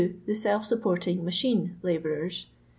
The self supporting machine labourers.